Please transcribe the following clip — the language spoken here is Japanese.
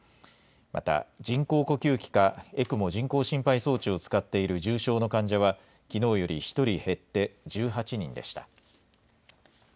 また、人工呼吸器かＥＣＭＯ・人工心肺装置を使っている重症の患者は、きのうより１人減って１８人でした。